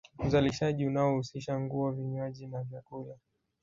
Uzalishaji unaohusisha nguo vinywaji na vyakula